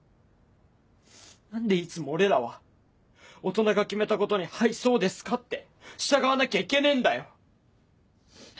何でいつも俺らは大人が決めたことに「はいそうですか」って従わなきゃいけねえんだよ。